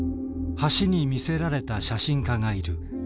橋に魅せられた写真家がいる。